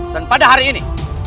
dan pada hari ini